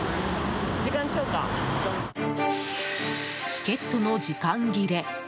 チケットの時間切れ。